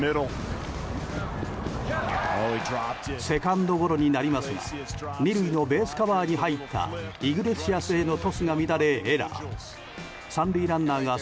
セカンドゴロになりますが２塁のベースカバーに入ったイグレシアスへのトスが乱れエラー。